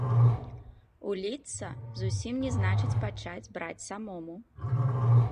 Уліцца, зусім не значыць пачаць браць самому.